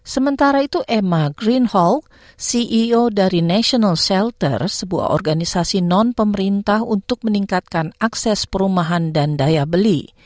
sementara itu emma green hall ceo dari national shelter sebuah organisasi non pemerintah untuk meningkatkan akses perumahan dan daya beli